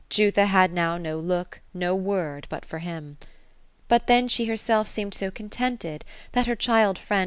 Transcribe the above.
Jutha had now no look, no word but for him. But then she herself seemed so contented, that her child friend